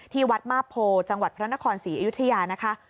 ที่วัดมาพโพจังหวัดพระนครศรีอยุธยานะคะ